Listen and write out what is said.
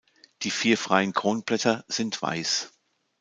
Die vier freien Kronblätter sind weiß.